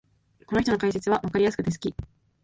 この人の解説はわかりやすくて好き